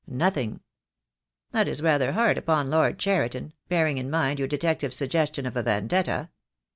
"Nothing!" "That is rather hard upon Lord Cheriton — bearing in mind your detective's suggestion of a vendetta.